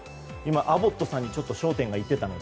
アボットさんに焦点がいっていたので。